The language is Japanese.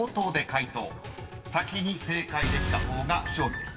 ［先に正解できた方が勝利です］